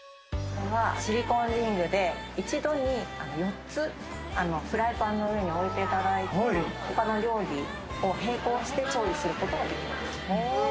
シリコンリングで１度に４つ、フライパンの上に置いていただいて、他の料理を並行して調理することができます。